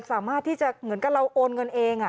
สามารถที่จะเหมือนกับเราโอนเงินเอง